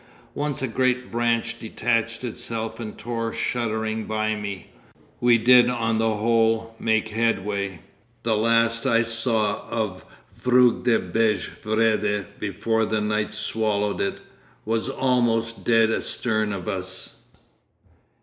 Once a great branch detached itself and tore shuddering by me. We did, on the whole, make headway. The last I saw of Vreugde bij Vrede before the night swallowed it, was almost dead astern of us....